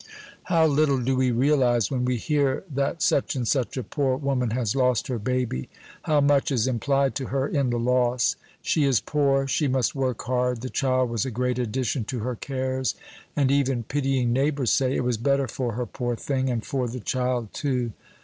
How little do we realize, when we hear that such and such a poor woman has lost her baby, how much is implied to her in the loss! She is poor; she must work hard; the child was a great addition to her cares; and even pitying neighbors say, "It was better for her, poor thing! and for the child too."